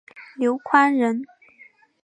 刘宽人。